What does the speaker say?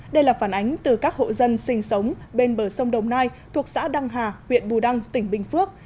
đây là phản ánh từ các hộ dân sinh sống bên bờ sông đồng nai thuộc xã đăng hà huyện bù đăng tỉnh bình phước